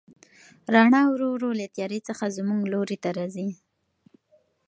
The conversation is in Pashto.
رڼا ورو ورو له تیارې څخه زموږ لوري ته راځي.